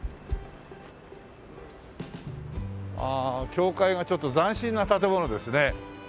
教会がちょっと斬新な建物ですね。